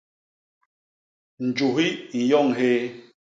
Njuhi i nyoñ hyéé.